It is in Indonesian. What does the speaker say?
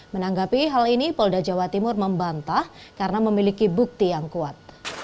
menanggapi hal ini polda jawa timur membantah karena memiliki bukti yang kuat